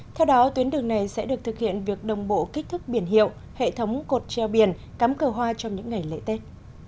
theo đó tuyến đường này sẽ được thực hiện việc đồng bộ kích thước biển hiệu hệ thống cột treo biển cắm cờ hoa trong những ngày lễ tết